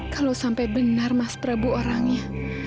kalau sampai benar mas prabu orangnya